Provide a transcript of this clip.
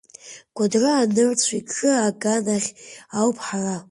Кәыдры анырцә, Егры аган ахь ауп ҳара…